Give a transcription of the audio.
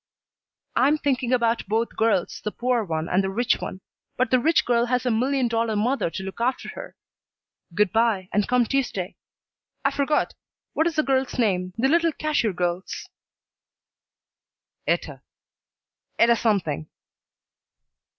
"I'm thinking about both girls, the poor one and the rich one. But the rich girl has a million dollar mother to look after her. Good by, and come Tuesday. I forgot What is the girl's name, the little cashier girl's?" "Etta Etta something."